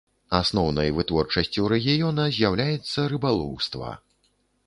Асноўнай вытворчасцю рэгіёна з'яўляецца рыбалоўства.